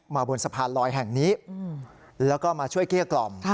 บนสะพานลอยแห่งนี้แล้วก็มาช่วยเกลี้ยกล่อม